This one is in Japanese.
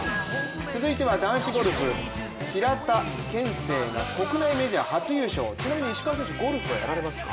続いては男子ゴルフ、平田憲聖が国内メジャー初優勝、ちなみに石川選手はゴルフはやられますか？